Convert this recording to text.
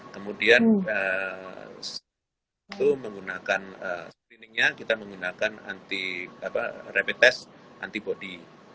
kemudian setelah itu menggunakan screeningnya kita menggunakan rapid test antibody